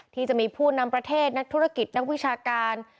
ที่จะมีผู้นำประเทศนักธุรกิจนักวิชาการ